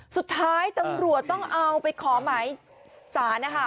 สุดท้ายตำรวจต้องเอาไปขอหมายสารนะคะ